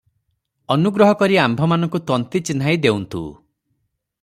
ଅନୁଗ୍ରହ କରି ଆମ୍ଭମାନଙ୍କୁ ତନ୍ତୀ ଚିହ୍ନାଇ ଦେଉଁନ୍ତୁ ।